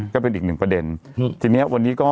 ก็เป็นอีกหนึ่งประเด็น